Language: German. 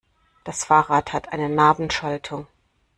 Das Fahrrad hat eine Nabenschaltung.